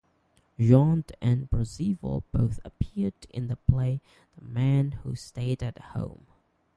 Jean and Perceval both appeared in the play "The Man Who Stayed at Home".